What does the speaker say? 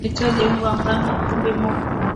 Matahitaji ya unga wa ngano kikombe moja